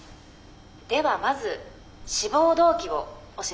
「ではまず志望動機を教えて下さい」。